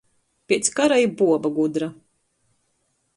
Piec kara i buoba gudra.